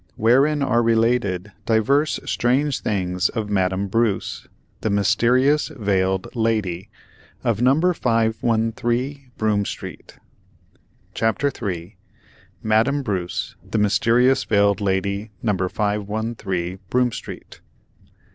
Wherein are related divers strange things of Madame Bruce, the "Mysterious Veiled Lady," of No. 513 Broome Street. CHAPTER III. MADAME BRUCE, "THE MYSTERIOUS VEILED LADY," No. 513 BROOME STREET.